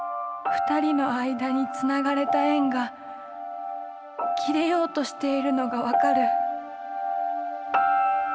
二人の間につながれた縁が切れようとしているのが分かる。